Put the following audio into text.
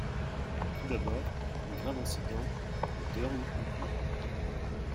Tout d'abord un grave incident à Deurne eut lieu.